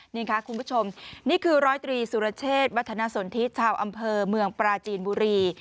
นี่ค่ะคุณผู้ชมนี่คือร้อยตรีสุรเชษฐ์วัฒนสนทิชาวอำเภอเมืองปราจีนบุรี